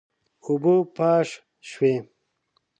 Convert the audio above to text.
اوبه پاش شوې.